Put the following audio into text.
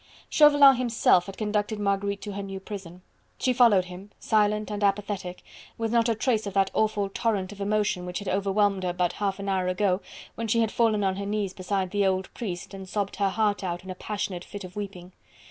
Chauvelin himself had conducted Marguerite to her new prison. She followed him silent and apathetic with not a trace of that awful torrent of emotion which had overwhelmed her but half an hour ago when she had fallen on her knees beside the old priest and sobbed her heart out in a passionate fit of weeping.